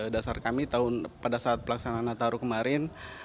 dasar kami pada saat pelaksanaan nataru kemarin